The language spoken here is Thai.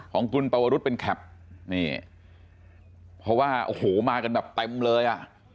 ของคุณปวรุษเป็นแคปเพราะว่ามากันแบบเต็มเลย